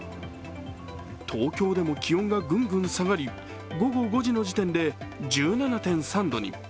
東京でも気温がグングン下がり、午後５時の時点で１７．３度に。